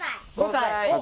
５歳。